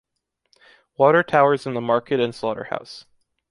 Water towers in the market and slaughterhouse.